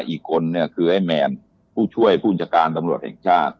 อีกคนเนี่ยคือไอ้แมนผู้ช่วยผู้บัญชาการตำรวจแห่งชาติ